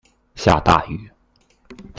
下大雨